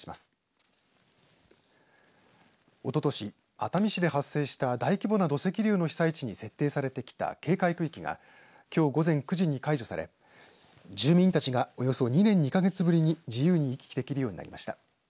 熱海市で発生した大規模な土石流の被災地に設定されてきた警戒区域がきょう午前９時に解除され住民たちがおよそ２年２か月ぶりに自由に行き来できるようになりました。